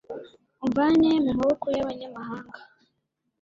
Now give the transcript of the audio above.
umvane mu maboko y’abanyamahanga